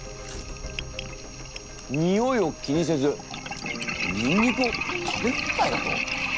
においを気にせずニンニクを食べ放題だと？